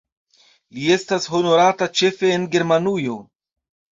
Li estas honorata ĉefe en Germanujo.